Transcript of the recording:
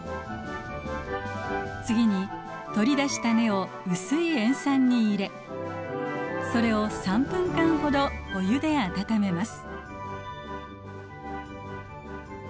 次に取り出した根を薄い塩酸に入れそれを３分間ほどお湯で温めます。